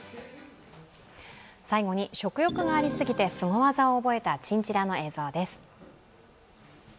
最後に、食欲がありすぎてすご技を覚えたチンチラの映像です。